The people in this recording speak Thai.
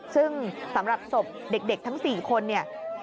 ซึ่งสำหรับศพเด็กทั้ง๔คนเนี่ย